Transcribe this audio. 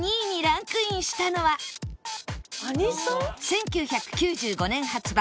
１９９５年発売